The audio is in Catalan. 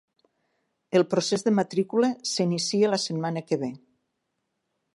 El procés de matrícula s'inicia la setmana que ve.